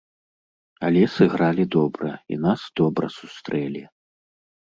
Але сыгралі добра, і нас добра сустрэлі.